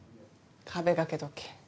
壁掛け時計。